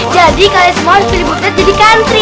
jadi kalian semua harus pilih butet jadi country